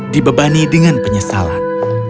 dibebani dengan penyesalan